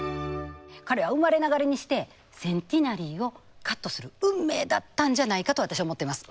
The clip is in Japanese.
彼は生まれながらにしてセンティナリーをカットする運命だったんじゃないかと私は思ってます。